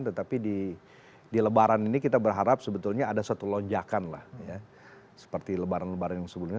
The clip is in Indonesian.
tetapi di lebaran ini kita berharap sebetulnya ada satu lonjakan lah ya seperti lebaran lebaran yang sebelumnya